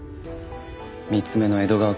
３つ目の江戸川区の事件